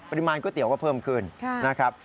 ก๋วยเตี๋ยวก็เพิ่มขึ้นนะครับ